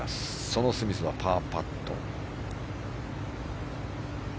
そのスミスはパーパット。